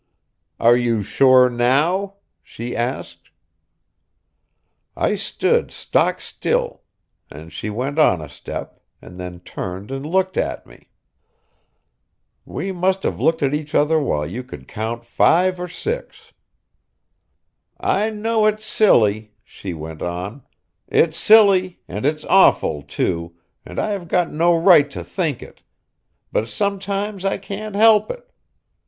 "Are you sure now?" she asked. I stood stock still, and she went on a step, and then turned and looked at me. We must have looked at each other while you could count five or six. "I know it's silly," she went on, "it's silly, and it's awful, too, and I have got no right to think it, but sometimes I can't help it.